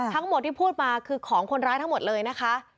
ทั้งหมดที่พูดมาคือของคนร้ายทั้งหมดเลยนะคะ